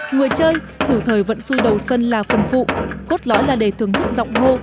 người chơi thử thời vận xui đầu sân là phần phụ cốt lõi là để thưởng thức giọng hô